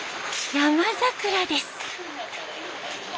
ヤマザクラです。